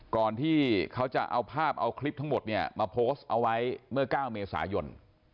ก่อนที่เขาจะเอาภาพเอาคลิปทั้งหมดเนี่ยมาโพสต์เอาไว้เมื่อ๙เมษายน